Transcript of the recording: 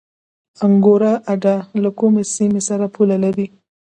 انګور اډه له کومې سیمې سره پوله لري؟